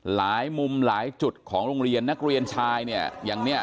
หลายมุมหลายจุดของโรงเรียนนักเรียนชายเนี่ยอย่างเนี่ย